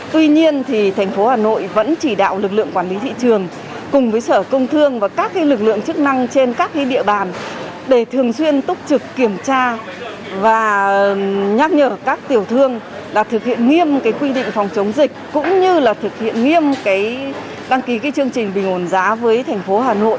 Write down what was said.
tuy nhiên tp hà nội vẫn chỉ đạo lực lượng quản lý thị trường cùng với sở công thương và các lực lượng chức năng trên các địa bàn để thường xuyên túc trực kiểm tra và nhắc nhở các tiểu thương đã thực hiện nghiêm quy định phòng chống dịch cũng như là thực hiện nghiêm đăng ký chương trình bình ổn giá với tp hà nội